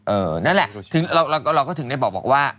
นั่นแหละถึงเราก็ถึงได้บอกว่า